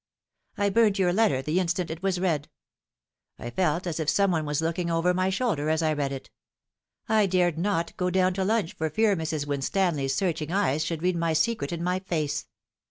I burnt your letter the instant it was read. I felt as if some one was looking over my shoulder as I read it. I dared not go down to lunch for fear Mrs. "Winstanley's search ing eyes should read my secret in my face.